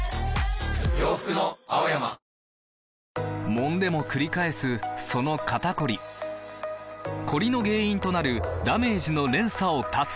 もんでもくり返すその肩こりコリの原因となるダメージの連鎖を断つ！